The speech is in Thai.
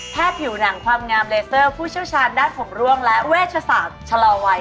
ผิวหนังความงามเลเซอร์ผู้เชี่ยวชาญด้านผมร่วงและเวชศาสตร์ชะลอวัย